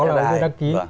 đã đăng ký